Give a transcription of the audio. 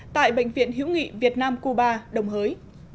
tại bệnh viện hữu nghị việt nam cuba đồng hới